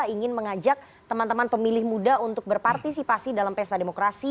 ingin mengajak teman teman pemilih muda untuk berpartisipasi dalam pesta demokrasi